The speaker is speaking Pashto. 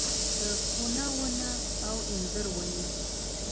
د ښونه ونه او انځر ونې